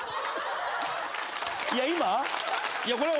いや今？